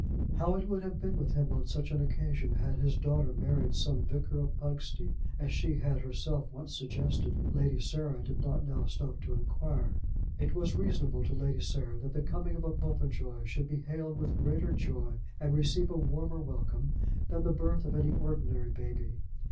How it would have been with him on such an occasion had his daughter married some vicar of Pugsty, as she had herself once suggested, Lady Sarah did not now stop to enquire. It was reasonable to Lady Sarah that the coming of a Popenjoy should be hailed with greater joy and receive a warmer welcome than the birth of any ordinary baby.